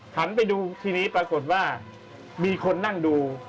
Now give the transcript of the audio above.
หันไปดูทีนี้ปรากฏว่ามีคนนั่งดู